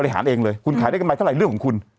บริหารเองเลยคุณขายได้กันใหม่เท่าไหร่เรื่องของคุณ